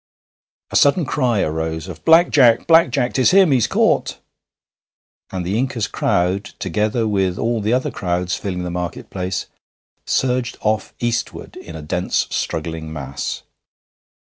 A sudden cry arose of 'Black Jack! Black Jack! 'Tis him! He's caught!' And the Inca's crowd, together with all the other crowds filling the market place, surged off eastward in a dense, struggling mass.